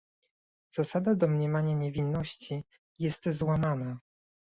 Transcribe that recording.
Zasada domniemania niewinności jest złamana